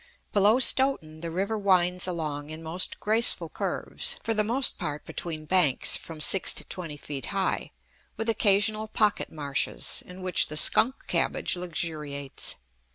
Below Stoughton the river winds along in most graceful curves, for the most part between banks from six to twenty feet high, with occasional pocket marshes, in which the skunk cabbage luxuriates.